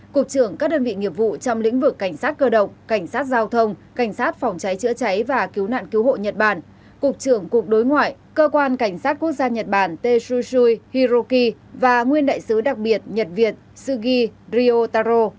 cục trưởng các đơn vị nghiệp vụ trong lĩnh vực cảnh sát cơ động cảnh sát giao thông cảnh sát phòng cháy chữa cháy và cứu nạn cứu hộ nhật bản cục trưởng cục đối ngoại cơ quan cảnh sát quốc gia nhật bản tsushi hiroki và nguyên đại sứ đặc biệt nhật việt sugi ryotaro